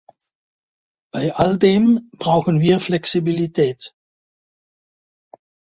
Bei all dem brauchen wir Flexibilität.